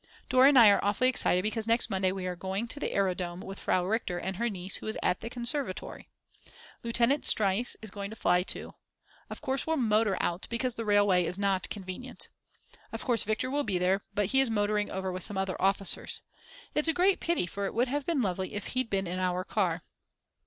Dora and I are awfully excited because next Monday we are going to the aerodome with Frau Richter and her niece who is at the conservatoire. Lieutenant Streinz is going to fly too. Of course we'll motor out because the railway is not convenient. Of course Viktor will be there, but he is motoring over with some other officers. It's a great pity, for it would have been lovely if he'd been in our car.